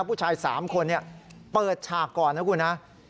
ผู้ชาย๓คนเปิดฉากก่อนนะคุณนะ